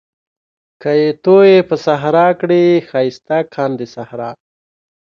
که يې تويې په صحرا کړې ښايسته کاندي صحرا